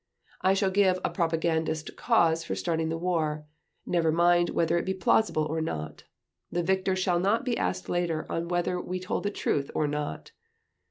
I shall give a propagandist cause for starting the war—never mind whether it be plausible or not. The victor shall not be asked later on whether we told the truth or not.